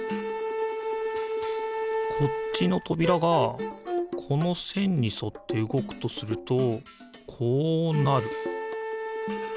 こっちのとびらがこのせんにそってうごくとするとこうなる。